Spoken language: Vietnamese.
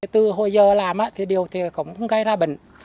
từ hồi giờ làm thì điều cũng không gây ra bệnh